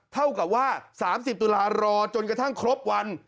เท่ากับว่า๓๐ตุลารอจนกระทั่งครบวัน